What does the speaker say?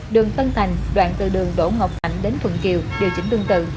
đường tân thành đoạn từ đường đỗ ngọc thạnh đến thuận kiều điều chỉnh tương tự